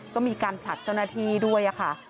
ก็มีการผลักเจ้าหน้าที่ด้วยค่ะ